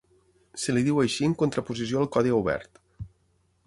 Se li diu així en contraposició al codi obert.